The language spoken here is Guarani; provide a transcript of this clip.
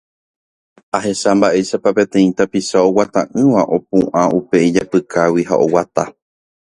ohecha mba'éichapa peteĩ tapicha oguata'ỹva opu'ã upe ijapykágui ha oguata.